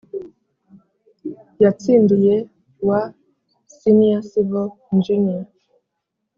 yatsindiye wa Senior Civil Engineer